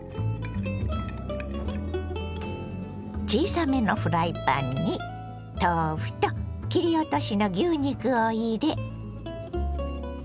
小さめのフライパンに豆腐と切り落としの牛肉を入れ。